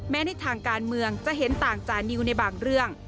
ในทางการเมืองจะเห็นต่างจานิวในบางเรื่อง